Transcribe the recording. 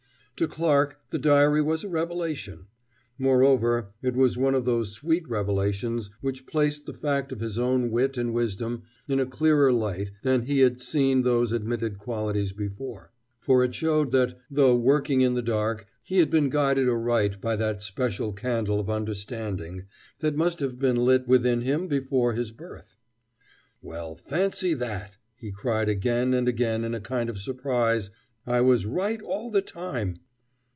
To Clarke the diary was a revelation! Moreover, it was one of those sweet revelations which placed the fact of his own wit and wisdom in a clearer light than he had seen those admitted qualities before, for it showed that, though working in the dark, he had been guided aright by that special candle of understanding that must have been lit within him before his birth. "Well, fancy that," cried he again and again in a kind of surprise. "I was right all the time!"